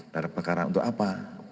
gelar perkara untuk apa